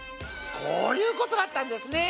こういうことだったんですね。